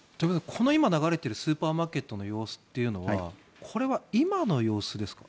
今流れているスーパーマーケットの様子はこれは今の様子ですか？